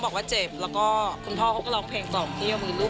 เพราะเนื่องจากอย่างนี้อยู่